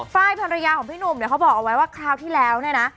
ไฟล์ภรรยาของพี่หนุ่มเนี่ยเขาบอกเอาไว้ว่าคราวที่แล้วเนี่ยนะ